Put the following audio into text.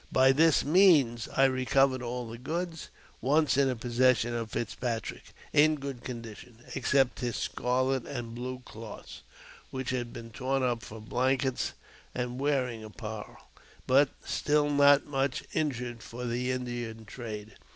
By this means I recovered all the goods, once in the possession of Fitzpatrick, in good condition, except his scarlet and blue cloths, which had been torn up for JAMES P. BECKWOUBTH. 231 blankets and wearing apparel, but still not much injured for the Indian trade.